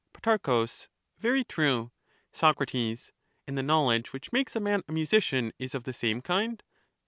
Pro, Very true. Soc, And the knowledge which makes a man a musician is of the same kind.